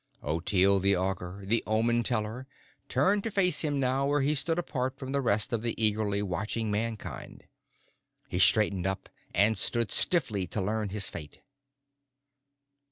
Ottilie the Augur, the Omen Teller, turned to face him now where he stood apart from the rest of eagerly watching Mankind. He straightened up and stood stiffly to learn his fate.